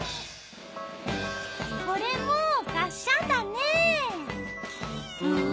これもがっしゃんだね。